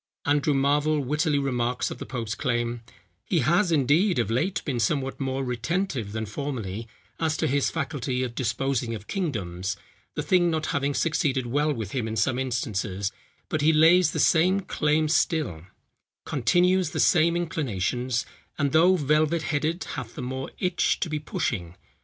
Andrew Marvel wittily remarks of the pope's claim, "He has, indeed, of late, been somewhat more retentive than formerly as to his faculty of disposing of kingdoms, the thing not having succeeded well with him in some instances, but he lays the same claim still, continues the same inclinations, and though velvet headed hath the more itch to be pushing.